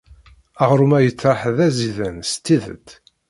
Aɣrum-a yettraḥ d aẓidan s tidet.